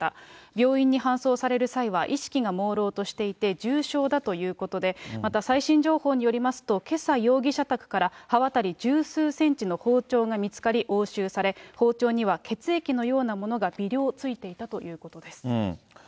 病院に搬送される際は意識がもうろうとしていて、重傷だということで、また最新情報によりますと、けさ、容疑者宅から、刃渡り十数センチの包丁が見つかり、押収され、包丁には血液のようなものが微量ついていたということです。